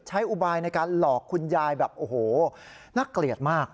อุบายในการหลอกคุณยายแบบโอ้โหน่าเกลียดมาก